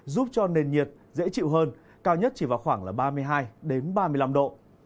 giúp cho nền nhiệt dễ chịu hơn cao nhất chỉ vào khoảng ba mươi hai ba mươi năm độ